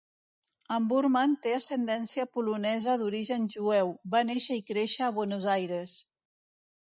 En Burman té ascendència polonesa d'origen jueu, va néixer i créixer a Buenos Aires.